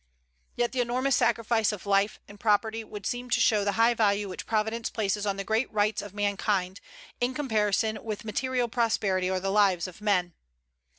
Yet the enormous sacrifice of life and property would seem to show the high value which Providence places on the great rights of mankind, in comparison with material prosperity or the lives of men.